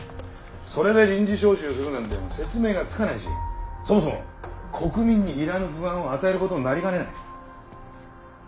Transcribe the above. それで臨時招集するなんて説明がつかないしそもそも国民にいらぬ不安を与えることになりかねない。